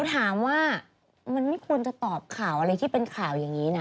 ถามว่ามันไม่ควรจะตอบข่าวอะไรที่เป็นข่าวอย่างนี้นะ